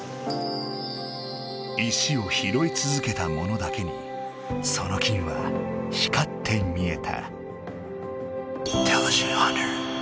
石を拾いつづけたものだけにその金は光って見えた。